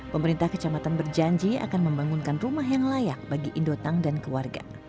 pemerintah kecamatan berjanji akan membangunkan rumah yang layak bagi indotang dan keluarga